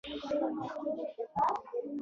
ژبپوهنه او ارواپوهنه په یو بل کې ورګډېږي